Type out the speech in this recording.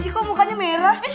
ih kok mukanya merah